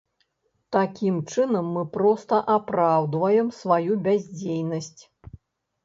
Такім чынам, мы проста апраўдваем сваю бяздзейнасць.